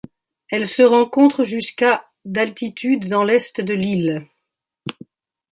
Elle se rencontre jusqu'à d'altitude dans l'est de l'île.